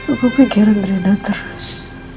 aku pikir renda terus